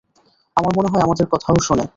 আমার মনে হয় আমাদের কথাও শোনে।